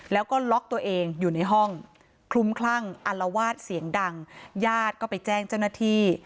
แล้วก็ล็อกตัวเองอยู่ในห้องคลุมคลั่งอัลวาดเสียงดังญาติก็ไปแจ้งเจ้าหน้าที่